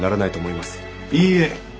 いいえ。